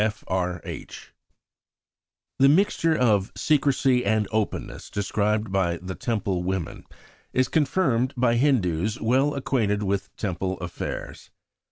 F. R. H. THE mixture of secrecy and openness described by the Temple woman is confirmed by Hindus well acquainted with Temple affairs.